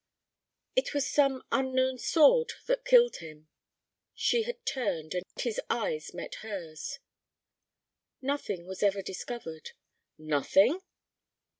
"It was some unknown sword that killed him." She had turned, and his eyes met hers. "Nothing was ever discovered." "Nothing?"